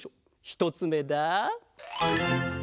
ひとつめだ！